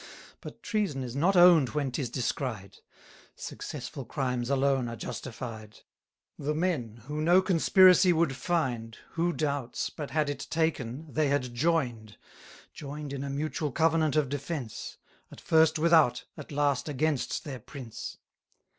But treason is not own'd when 'tis descried; Successful crimes alone are justified. The men, who no conspiracy would find, Who doubts, but had it taken, they had join'd, 210 Join'd in a mutual covenant of defence; At first without, at last against their prince?